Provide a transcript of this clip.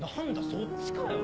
そっちかよ！